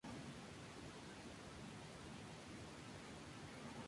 Debutó a la edad de tres años en Los Ángeles, California.